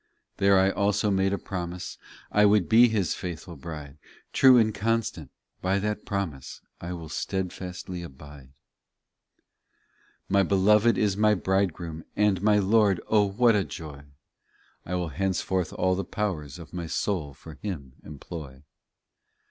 There I also made a promise I would be His faithful bride, True and constant ; by that promise I will stedfastly abide. POEMS 26l 28 My Beloved is my Bridegroom And my Lord O what a joy ! I will henceforth all the powers Of my soul for Him employ.